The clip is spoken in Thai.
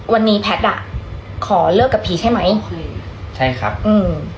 วันนี้แพทย์อ่ะขอเลิกกับผีใช่ไหมเฮ้ยใช่ครับอืม